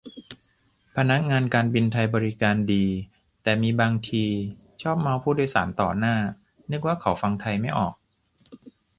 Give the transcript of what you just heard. พนักงานการบินไทยบริการดี แต่มีบางทีชอบเมาต์ผู้โดยสารต่อหน้า นึกว่าเขาฟังไทยไม่ออก